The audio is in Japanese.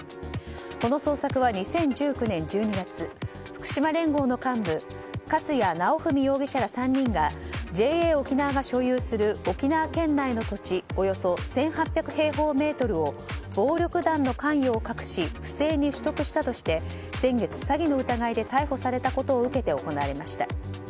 この捜索は２０１９年１２月福島連合の幹部粕谷尚史容疑者ら３人がＪＡ沖縄が所有する沖縄県内の土地およそ１８００平方メートルを暴力団の関与を隠し不正に取得したとして先月、詐欺の疑いで逮捕されたこと受けて行われました。